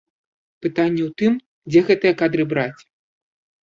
Пытанне ў тым, дзе гэтыя кадры браць.